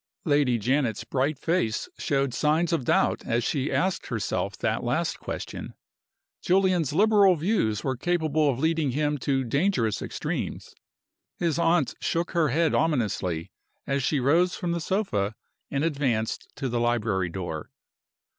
Lady Janet's bright face showed signs of doubt as she asked herself that last question. Julian's liberal views were capable of leading him to dangerous extremes. His aunt shook her head ominously as she rose from the sofa and advanced to the library door.